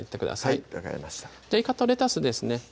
はい分かりましたいかとレタスですね